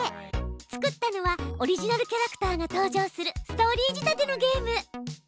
作ったのはオリジナルキャラクターが登場するストーリー仕立てのゲーム。